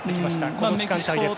この時間帯です。